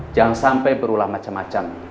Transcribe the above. jangan sampai berulang macam macam